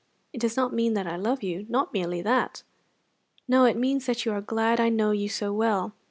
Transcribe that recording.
It does not mean that I love you not merely that." "No; it means that you are glad I know you so well.